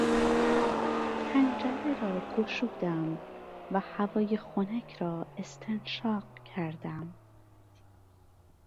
پنجره را گشودم و هوای خنک را استنشاق کردم.